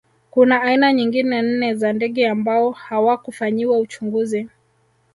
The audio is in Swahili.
Kuna aina nyingine nne za ndege ambao hawakufanyiwa uchunguzi